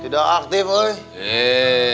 tidak aktif lo nih